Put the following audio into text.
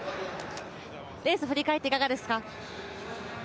レース、振り返っていかがですか？